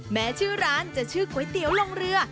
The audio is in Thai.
แม้ชื่อร้านจะชื่อก๋วยเตี๋ยวลงเรือ